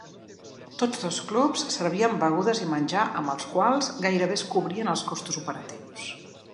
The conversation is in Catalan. Tots dos clubs servien begudes i menjar amb els quals gairebé es cobrien els costos operatius.